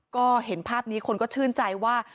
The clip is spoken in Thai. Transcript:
ก็เห็นภาพนี้คนก็ชื่นใจว่า